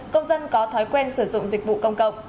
công dân có thói quen sử dụng dịch vụ công cộng